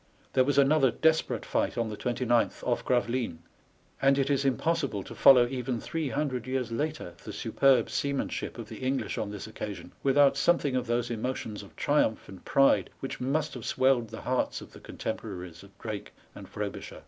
There was another desperate fight on the 29th, off Gravelines, and it is impossible to follow even three hundred years later the superb seamanship of the English on this occasion without something of those emotions of triumph and pride which must have swelled the hearts of the contemporaries of Drake and Fro bisher.